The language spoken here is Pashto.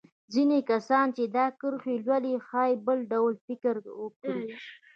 ځينې کسان چې دا کرښې لولي ښايي بل ډول فکر وکړي.